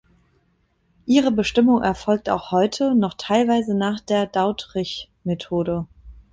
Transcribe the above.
Ihre Bestimmung erfolgt auch heute noch teilweise nach der Dautriche-Methode.